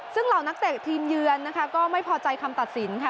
ซึ่งเหล่านักเตะทีมเยือนนะคะก็ไม่พอใจคำตัดสินค่ะ